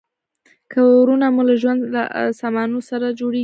کورونه مو له ژوند له سامانونو سره نه جوړیږي.